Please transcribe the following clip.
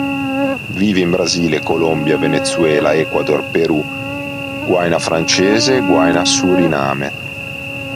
Vive in Brasile, Colombia, Venezuela, Ecuador, Perù, Guyana Francese, Guyana, Suriname.